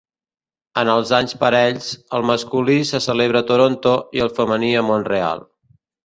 En els anys parells, el masculí se celebra a Toronto i el femení a Mont-real.